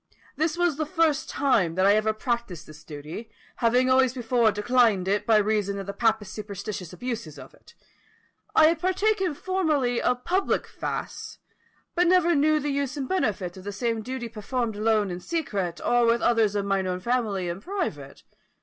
This was the first time that I ever practised this duty, having always before declined it, by reason of the papists' superstitious abuses of it. I had partaken formerly of public fasts, but never knew the use and benefit of the same duty performed alone in secret, or with others of mine own family in private.